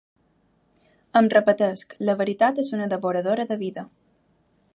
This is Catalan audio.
Em repetesc: la veritat és una devoradora de vida.